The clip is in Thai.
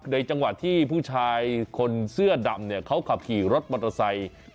ในจังหวะที่ผู้ชายคนเสื้อดำเขาขับขี่รถมอเตอร์ไซค์